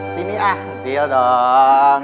sini ah deal dong